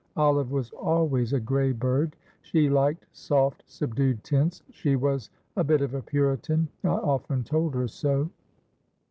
"Olive was always a grey bird; she liked soft, subdued tints; she was a bit of a Puritan. I often told her so."